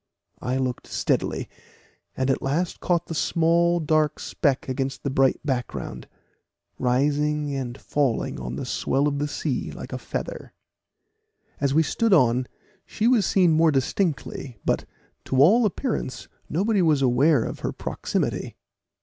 I looked steadily, and at last caught the small dark speck against the bright background, rising and falling on the swell of the sea like a feather. As we stood on, she was seen more distinctly, but, to all appearance, nobody was aware of her proximity.